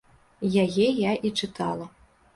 Яе я і чытала.